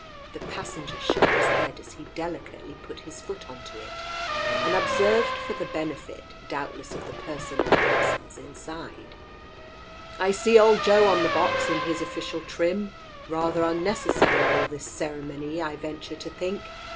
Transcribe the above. The passenger shook his head as he delicately put his foot on to it, and observed for the benefit, doubtless, of the person or persons inside — "I see old Joe on the box in his official trim. Rather unnecessary, all this ceremony, I venture to think